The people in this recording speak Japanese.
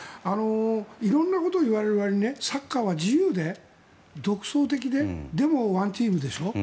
いろんなことをいわれる割にサッカーは自由で独創的ででもワンチームでしょ。